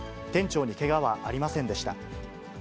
店長にけがはありませんでした。